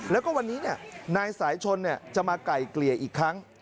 แล้วก็วันนี้นายสายชนจะมาไก่เกลี่ยอีกครั้ง